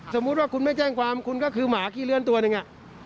สมมุติว่าคุณไม่แจ้งความคุณก็คือหมาขี้เลื้อนตัวหนึ่ง